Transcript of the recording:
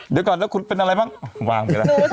เดี๋ยวขอคุณเป็นอะไรบ้าง